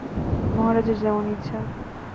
মহারাজের যেমন ইচ্ছা।